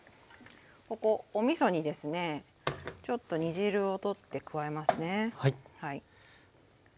ここおみそにですねちょっと煮汁を取って加えますね。